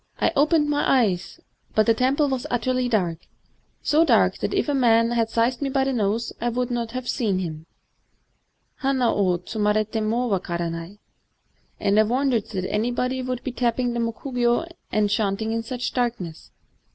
I opened my eyes ; but the temple was utterly dark, — so dark that if a man had seized me by the nose I could not have seen him [bana wo tsutnariti mo wakaranat] ; and I wondered that anybody should be tapping the mokugyo and chanting in such darkness.